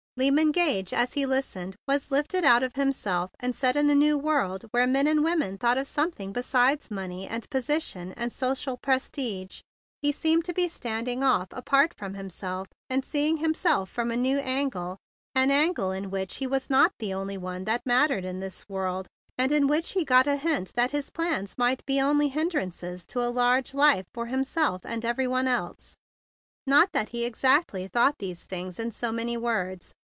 Lyman Gage as he listened was lifted out of himself and set in a new world where men and women thought of something besides money and position and social prestige. He seemed to be standing off apart from himself and seeing himself from a new angle, an angle in which he was not the only one that mattered in this world, and in which he got a hint that his plans might be only hindrances to a larger life for himself and every one else. Not that he exactly thought these things in so many words.